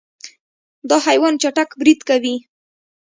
دا حیوان چټک برید کوي.